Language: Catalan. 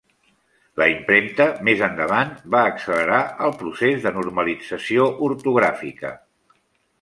La impremta, més endavant, va accelerar el procés de normalització ortogràfica.